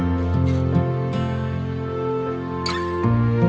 udah gitu sama sanksinya juga